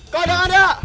kau dengar gak